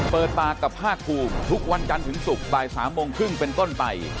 เปิดปากกับภาคภูมิทุกวันจันทร์ถึงศุกร์บ่าย๓โมงครึ่งเป็นต้นไป